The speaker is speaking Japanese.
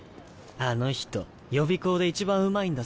あの人予備校でいちばんうまいんだぜ。